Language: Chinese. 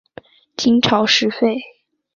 金朝时废。